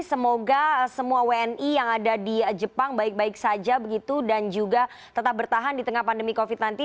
semoga semua wni yang ada di jepang baik baik saja begitu dan juga tetap bertahan di tengah pandemi covid sembilan belas